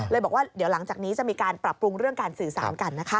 บอกว่าเดี๋ยวหลังจากนี้จะมีการปรับปรุงเรื่องการสื่อสารกันนะคะ